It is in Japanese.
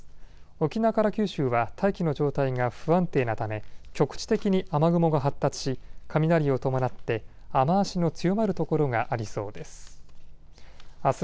沖縄から九州は大気の状態が不安定なため局地的に雨雲が発達し、雷を伴って雨足の強まる所がありそうです。